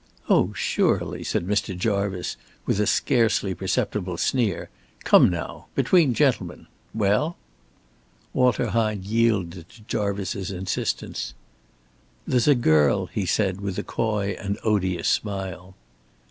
"Oh, surely," said Mr. Jarvice, with a scarcely perceptible sneer. "Come now! Between gentlemen! Well?" Walter Hine yielded to Jarvice's insistence. "There's a girl," he said, with a coy and odious smile.